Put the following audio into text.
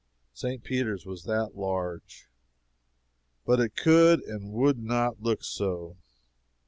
St. Peter's was that large, but it could and would not look so.